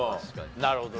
なるほどね。